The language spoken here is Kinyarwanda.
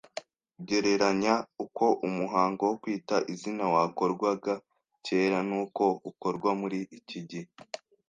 ” gereranya uko umuhango wo kwita izina wakorwaga kera n’uko ukorwa muri iki gihe